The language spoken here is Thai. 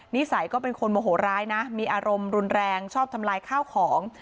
นิสัยก็เป็นคนโมโหร้ายนะมีอารมณ์รุนแรงชอบทำลายข้าวของ